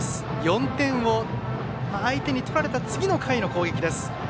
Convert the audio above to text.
４点を相手に取られた次の回の攻撃。